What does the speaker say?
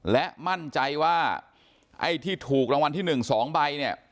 และมั่นใจว่าไอ้ที่ถูกรางวัลที่๑๒ใบเนี่ย